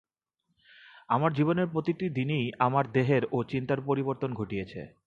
আমার জীবনের প্রতিটি দিনেই আমার দেহের ও চিন্তার পরিবর্তন ঘটিতেছে।